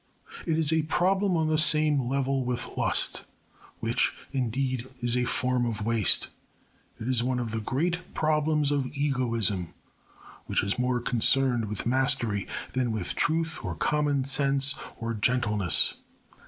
It is a problem on the same level with lust, which, indeed, is a form of waste. It is one of the great problems of egoism, which is more concerned with mastery than with truth or common sense or gentleness.